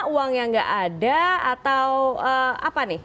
uang yang nggak ada atau apa nih